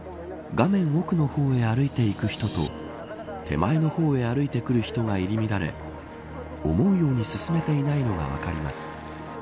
画面奥の方に歩いていく人と手前の方へ歩いていく人が入り乱れ思うように進めていないのが分かります。